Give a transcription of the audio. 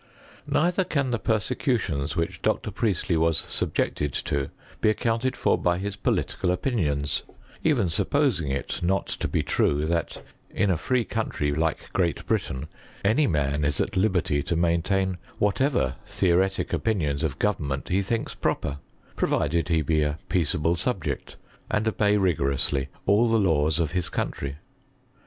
Neither can the persecutions which Dr. Priestley was subjected to be accounted for by his political opinions, even supposing it not to be true, that in a free country like Great Britain, any man is at liberty to maintain whatever theoretic opinions of government he thinks proper, provided he be a peaceable subject and obey rigorously all the laws ofhis country.